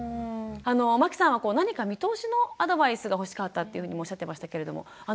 まきさんは何か見通しのアドバイスが欲しかったっていうふうにもおっしゃってましたけれども安藤さん